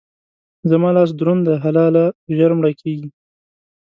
زما لاس دروند دی؛ حلاله ژر مړه کېږي.